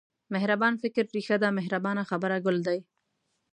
مهربان فکر رېښه ده مهربانه خبره ګل دی.